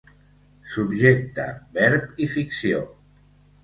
Subjecte, verb i ficció.